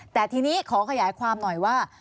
แต่ทีนี้ขอขยายความหน่อยว่า